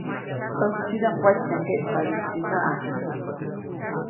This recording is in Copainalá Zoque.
‒ʼÄjtsidaʼm watnyajkeʼtpadiʼtsinaʼajk-.